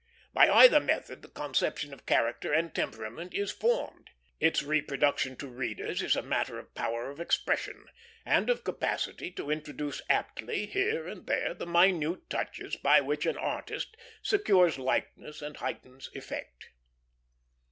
By either method the conception of character and temperament is formed; its reproduction to readers is a matter of power of expression, and of capacity to introduce aptly, here and there, the minute touches by which an artist secures likeness and heightens effect.